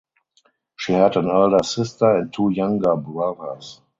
She had an elder sister and two younger brothers.